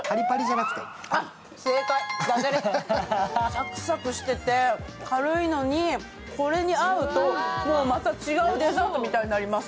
サクサクしてて、軽いのにこれにあうとまた違うデザートみたいになります。